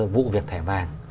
vụ việc thẻ vàng